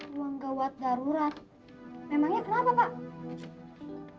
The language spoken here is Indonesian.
buang gawat darurat memangnya kenapa pak